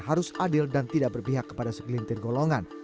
harus adil dan tidak berpihak kepada penyelenggaraan